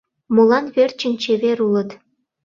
Молан верчын чевер улыт?